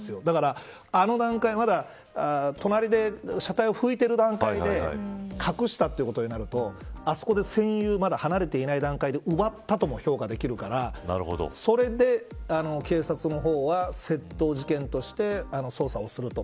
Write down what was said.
あの段階、まだ隣で車体を拭いている段階で隠したということになるとあそこで占有をまだ離れていない段階で奪ったとも評価できるからそれで、警察の方は窃盗事件として捜査をすると。